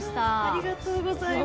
ありがとうございます。